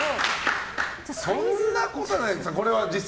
そんなことないでしょ。